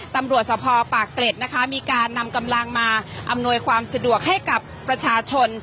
ตำรวจสภปากเกร็ดนะคะมีการนำกำลังมาอำนวยความสะดวกให้กับประชาชน